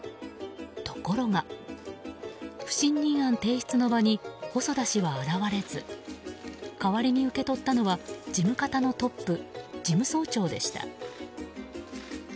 ところが、不信任案提出の場に細田氏は現れず代わりに受け取ったのは事務方のトップ、事務総長でした。